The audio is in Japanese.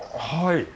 はい！